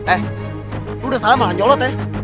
eh lo udah salah makan jolot ya